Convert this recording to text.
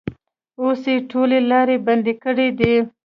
اوس یې ټولې لارې بندې کړې دي.